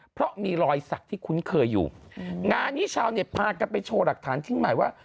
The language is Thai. เพราะมีรอยสักที่คุ้นเคยอยู่งานนี้ชาวเน็ตพากันไปโชว์หลักฐานชิ้นใหม่ว่า